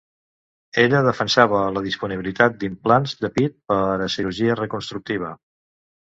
Ella defensava la disponibilitat d'implants de pit per a cirurgia reconstructiva.